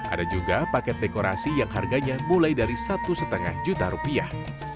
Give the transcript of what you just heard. ada juga paket dekorasi yang harganya mulai dari satu lima juta rupiah